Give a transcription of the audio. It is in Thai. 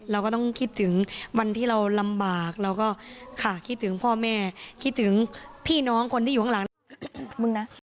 เราก็ต้องคิดถึงวันที่เราลำบากเราก็ค่ะคิดถึงพ่อแม่คิดถึงพี่น้องคนที่อยู่ข้างหลังมึงนะ